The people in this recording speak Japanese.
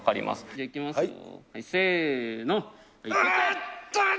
じゃあいきますよ、せーの。